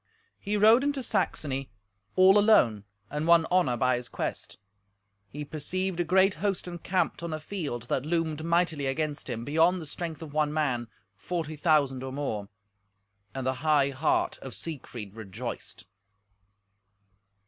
He rode into Saxony all alone, and won honour by his quest. He perceived a great host encamped on a field, that loomed mightily against him, beyond the strength of one man: forty thousand or more. And the high heart of Siegfried rejoiced.